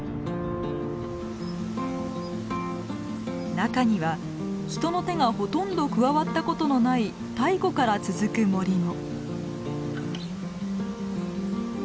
中には人の手がほとんど加わったことのない太古から続く森も。